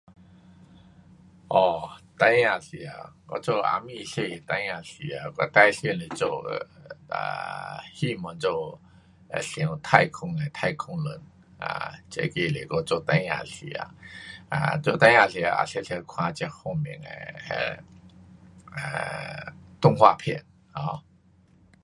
哦，孩儿时头我做啊咪小孩儿时头，我最想是做 um 希望做会上太空的太空人。um 这个是我做孩儿时头，um 做孩儿时头也常常看这方面的 um 动画片。um